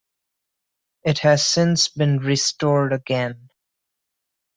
It has since been restored again.